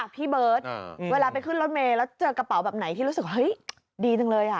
พี่เบิร์ตเวลาไปขึ้นรถเมย์แล้วเจอกระเป๋าแบบไหนที่รู้สึกเฮ้ยดีจังเลย